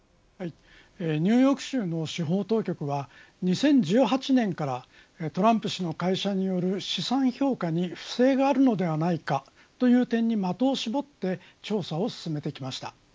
ニューヨーク州の司法当局は２０１８年からトランプ氏の会社による資産評価に不正があるのではないかという点に的をしぼって調査を進めてきました。